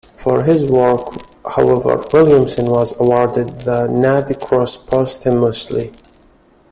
For his work, however, Williamson was awarded the Navy Cross posthumously.